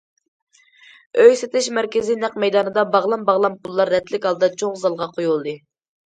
ئۆي سېتىش مەركىزى نەق مەيدانىدا باغلام- باغلام پۇللار رەتلىك ھالدا چوڭ زالغا قويۇلدى.